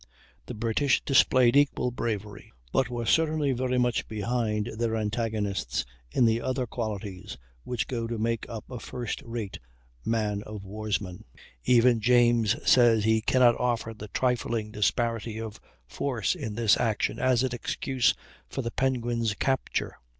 The British displayed equal bravery, but were certainly very much behind their antagonists in the other qualities which go to make up a first rate man of warsman. Even James says he "cannot offer the trifling disparity of force in this action as an excuse for the Penguin's capture.